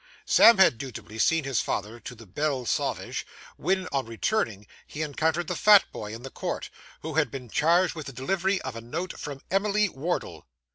Sam had dutifully seen his father to the Belle Sauvage, when, on returning, he encountered the fat boy in the court, who had been charged with the delivery of a note from Emily Wardle.